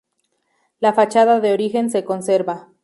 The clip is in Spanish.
La fachada de origen se conserva.